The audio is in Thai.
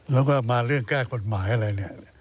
แล้วก็มาเรื่องแก้กบทหมายอะไร